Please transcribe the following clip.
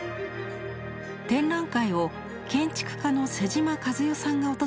展覧会を建築家の妹島和世さんが訪れていました。